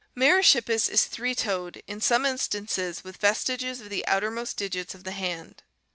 *' Merychippus is three toed, in some instances with vestiges of the outermost digits of the hand.